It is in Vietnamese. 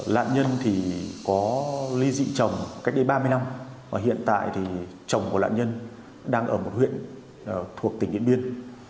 lạn nhân có ly dị chồng cách đây ba mươi năm và hiện tại chồng của lạn nhân đang ở một huyện thuộc tỉnh yễn biên